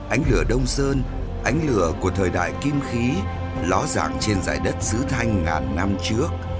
ánh lửa đông sơn ánh lửa của thời đại kim khí ló dạng trên giải đất sứ thanh ngàn năm trước